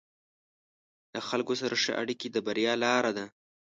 له خلکو سره ښه اړیکې د بریا لاره ده.